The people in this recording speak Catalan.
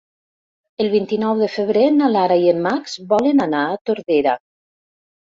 El vint-i-nou de febrer na Lara i en Max volen anar a Tordera.